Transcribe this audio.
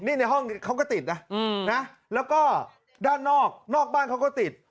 นี่ในห้องเขาก็ติดนะแล้วก็ด้านนอกนอกบ้านเขาก็ติด